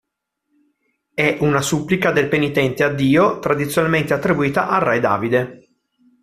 È una supplica del penitente a Dio, tradizionalmente attribuita al re Davide.